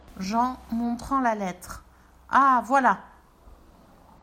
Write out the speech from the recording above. Jean, montrant la lettre. — Ah ! voilà !…